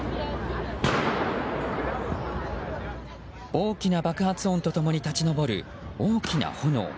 大きな爆発音と共に立ち上る大きな炎。